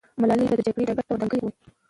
ملالۍ به د جګړې ډګر ته ور دانګلې وي.